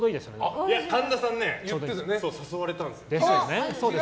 神田さんね、誘われたんですよ。